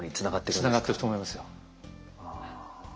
つながってると思いますよ。